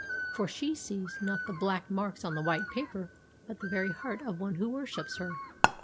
For she sees, not the black marks on the white paper, but the very heart of one who worships her.